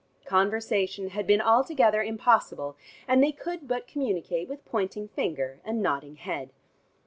Conversation had been altogether impossible, and they could but communicate with pointing finger, and nodding head.